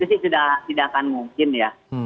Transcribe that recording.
itu sih tidak akan mungkin ya